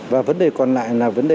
và vấn đề còn lại là vấn đề